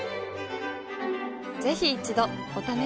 ぜひ一度お試しを。